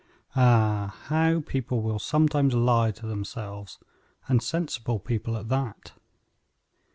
Ah! how people will sometimes lie to themselves; and sensible people at that.